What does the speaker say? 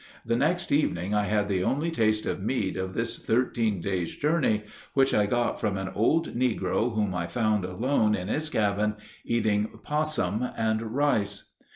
The next evening I had the only taste of meat of this thirteen days' journey, which I got from an old negro whom I found alone in his cabin eating possum and rice.